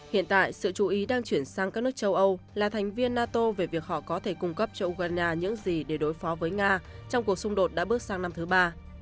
hiện tại sự chú ý đang chuyển sang các nước châu âu là thành viên nato về việc họ có thể cung cấp cho ukraine những gì để đối phó với nga trong cuộc xung đột đã bước sang năm thứ ba